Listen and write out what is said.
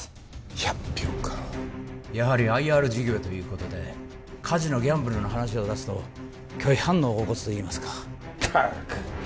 １００票かやはりＩＲ事業ということでカジノギャンブルの話を出すと拒否反応を起こすといいますかったく！